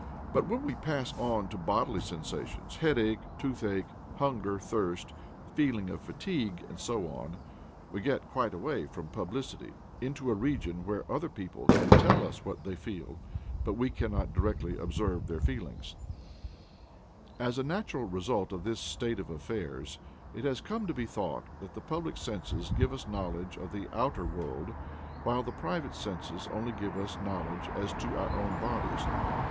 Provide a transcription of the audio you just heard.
But when we pass on to bodily sensations headache, toothache, hunger, thirst, the feeling of fatigue, and so on we get quite away from publicity, into a region where other people can tell us what they feel, but we cannot directly observe their feeling. As a natural result of this state of affairs, it has come to be thought that the public senses give us knowledge of the outer world, while the private senses only give us knowledge as to our own bodies.